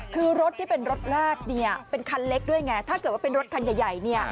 คือรถที่เป็นรถแรกเนี่ยเป็นคันเล็กด้วยไงถ้าเกิดว่าเป็นรถคันใหญ่เนี่ย